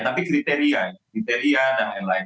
tapi kriteria kriteria dan lain lain